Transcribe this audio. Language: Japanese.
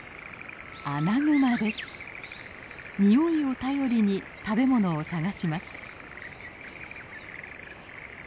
匂いを頼りに食べ物を探します。